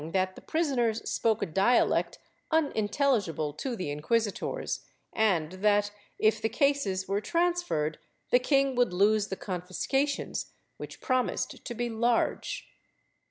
IX] MODERATION 223 that the prisoners spoke a dialect iminteUigible to the inquisitors and that, if the cases were transferred, the king would lose the confiscations, which promised to be large.